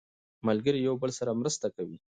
ملګري یو بل سره مرسته کوي